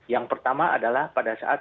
yang pertama adalah pada saat